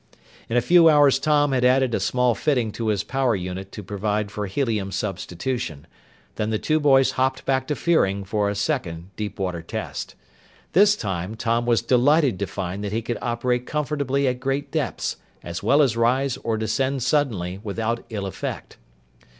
In a few hours Tom had added a small fitting to his power unit to provide for helium substitution. Then the two boys hopped back to Fearing for a second deep water test. This time, Tom was delighted to find that he could operate comfortably at great depths, as well as rise or descend suddenly without ill effect.